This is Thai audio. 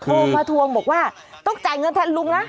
โทรมาทวงบอกว่าต้องจ่ายเงินแทนลุงนะ